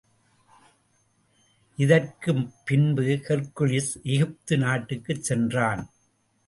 இதற்குப் பின்பு ஹெர்க்குலிஸ் எகிப்து நாட்டுக்குச் சென்றான்.